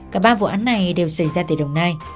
cả ba vụ án này đều xảy ra tại đồng nai